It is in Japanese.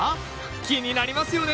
気になりますよね！